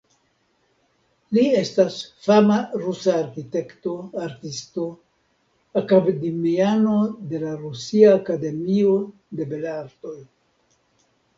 Li estas fama rusa arkitekto, artisto, akademiano de la Rusia Akademio de Belartoj.